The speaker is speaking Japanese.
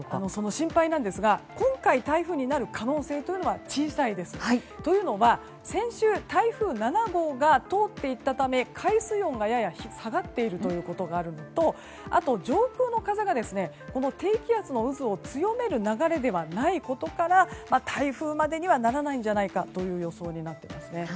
心配なんですが今回、台風になる可能性はというのは先週台風７号が通っていったため海水温が、やや下がっているということがあるのとあと、上空の風が低気圧の渦を強める流れではないことから台風までにはならないんじゃないかという予想になっています。